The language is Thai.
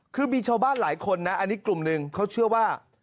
คือมีชาวบ้านหลายคนนะอันนี้กลุ่มหนึ่งเขาเชื่อว่า